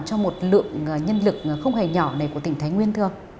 cho một lượng nhân lực không hề nhỏ này của tỉnh thái nguyên thưa ông